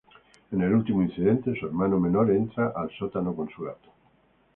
En el último incidente, su hermana menor entra al sótano con su gato.